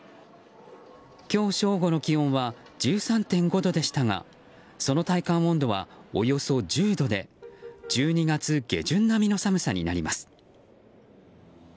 今日正午の気温は１３．５度でしたがその体感温度はおよそ１０度で１２月下旬並みの寒さになります。